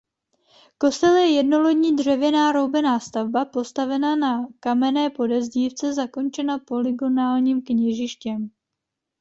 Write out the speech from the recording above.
Kostel je jednolodní dřevěná roubená stavba postavena na kamenné podezdívce zakončena polygonálním kněžištěm.